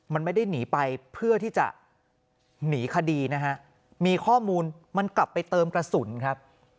มันไม่ได้หนีไปเพื่อที่จะหนีคดีนะฮะมีข้อมูลมันกลับไปเติมกระสุนครับ